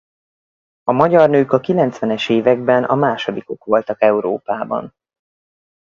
A magyar nők a kilencvenes években a másodikok voltak Európában.